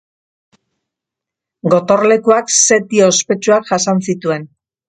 Gotorlekuak setio ospetsuak jasan zituen.